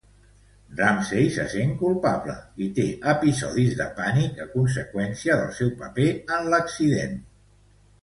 Ramsay se sent culpable i té episodis de pànic a conseqüència del seu paper en l'accident.